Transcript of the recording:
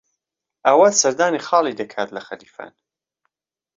ئاوات سەردانی خاڵی دەکات لە خەلیفان.